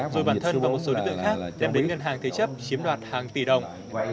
rồi bản thân và một số đối tượng khác đem đến ngân hàng thế chấp chiếm đoạt hàng tỷ đồng